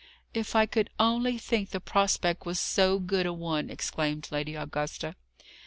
"If I could only think the prospect was so good a one!" exclaimed Lady Augusta.